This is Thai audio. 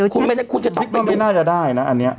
คุณไม่น่าจะได้นะอันนี้